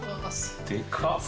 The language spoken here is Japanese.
でかっ。